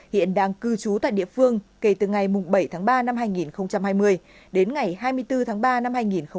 hiện đang cư trú tại địa phương kể từ ngày bảy tháng ba năm hai nghìn hai mươi đến ngày hai mươi bốn tháng ba năm hai nghìn hai mươi